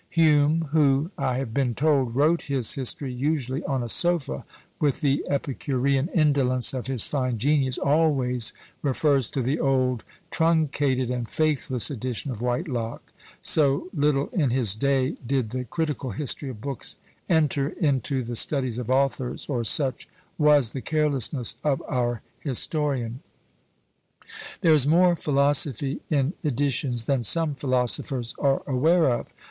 Hume who, I have been told, wrote his history usually on a sofa, with the epicurean indolence of his fine genius, always refers to the old truncated and faithless edition of Whitelocke so little in his day did the critical history of books enter into the studies of authors, or such was the carelessness of our historian! There is more philosophy in editions than some philosophers are aware of.